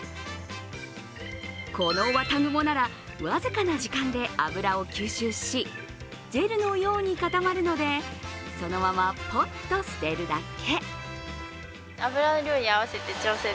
このわたぐもなら、僅かな時間で油を吸収しジェルのように固まるのでそのままポンと捨てるだけ。